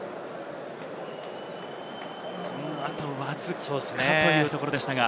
あとわずかというところでした。